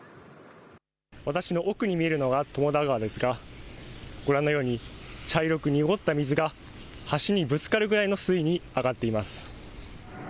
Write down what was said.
私の奥に見えるのが友田川ですがご覧のように茶色く濁った水が橋にぶつかるぐらいの水位に上がっています。